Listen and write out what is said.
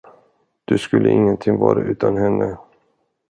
Du skulle ingenting vara utan henne.